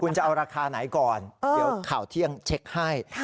คุณจะเอาราคาไหนก่อนเดี๋ยวข่าวเที่ยงเช็คให้